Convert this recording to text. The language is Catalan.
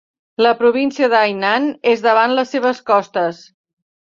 La província de Hainan és davant les seves costes.